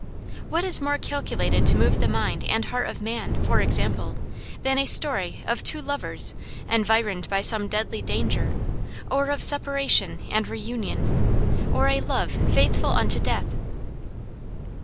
What is more calculated to move the mind and heart of man for example than a story of two lovers environed by some deadly danger, or of separation and reunion, or a love faithful unto death?